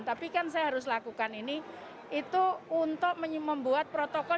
tapi kan saya harus lakukan ini itu untuk membuat protokol